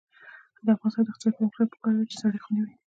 د افغانستان د اقتصادي پرمختګ لپاره پکار ده چې سړې خونې وي.